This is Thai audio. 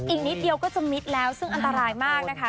อีกนิดเดียวก็จะมิดแล้วซึ่งอันตรายมากนะคะ